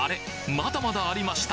まだまだありました。